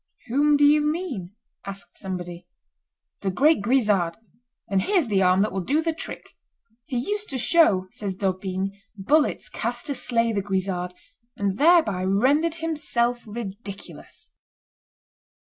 "Whom do you mean?" asked somebody. "The great Guisard; and here's the arm that will do the trick." "He used to show," says D'Aubigne, "bullets cast to slay the Guisard, and thereby rendered himself ridiculous."